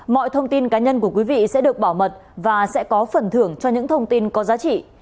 mọi thông tin cá nhân của quý vị sẽ được bảo mật và sẽ có phần thưởng cho những thông tin có giá trị